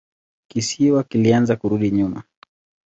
Kisiwa kilianza kurudi nyuma.